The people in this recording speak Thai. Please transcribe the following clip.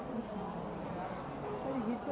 พี่คิดว่าเข้างานทุกครั้งอยู่หรือเปล่า